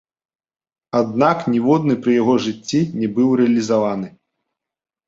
Аднак ніводны пры яго жыцці не быў рэалізаваны.